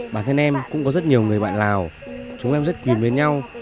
bản thân em cũng có rất nhiều người bạn lào chúng em rất kìm với nhau